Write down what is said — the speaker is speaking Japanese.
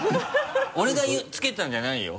俺が付けたんじゃないよ？